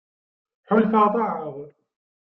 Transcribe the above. Ḥulfaɣ ḍaεeɣ.